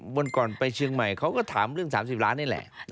วันก่อนไปเชียงใหม่เขาก็ถามเรื่อง๓๐ล้านนี่แหละ